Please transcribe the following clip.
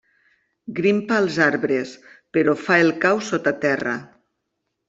Grimpa als arbres, però fa el cau sota terra.